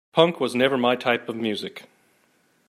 Punk was never my type of music.